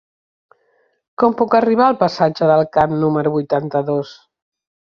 Com puc arribar al passatge del Camp número vuitanta-dos?